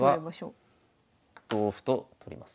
これは同歩と取ります。